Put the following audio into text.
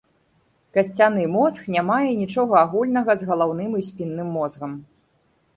Касцяны мозг не мае нічога агульнага з галаўным і спінным мозгам.